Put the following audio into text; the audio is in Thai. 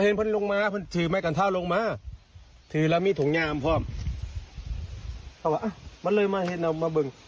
น้องใบตองว่าเป็นรอยอะไร